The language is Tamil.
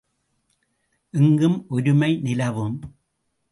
எங்கும் ஒருமை நிலவும்.